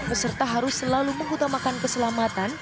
peserta harus selalu mengutamakan keselamatan